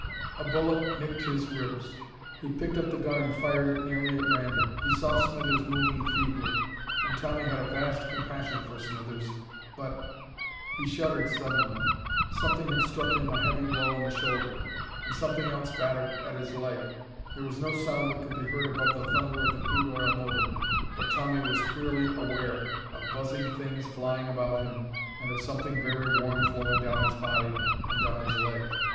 A bullet nicked his ribs. He picked up the gun and fired it nearly at random. He saw Smithers moving feebly, and Tommy had a vast compassion for Smithers, but He shuddered suddenly. Something had struck him a heavy blow in the shoulder. And something else battered at his leg. There was no sound that could be heard above the thunder of the crude oil motor, but Tommy, was queerly aware of buzzing things flying about him, and of something very warm flowing down his body and down his leg.